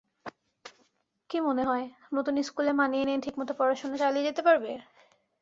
কি মনেহয়, নতুন স্কুলে মানিয়ে নিয়ে ঠিকমতো পড়াশোনা চালিয়ে যেতে পারবে?